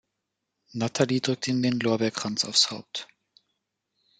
Natalie drückt ihm den Lorbeerkranz aufs Haupt.